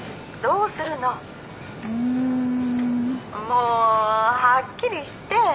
もうはっきりして。